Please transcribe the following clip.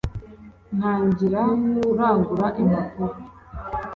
ntangira kurangura impapuro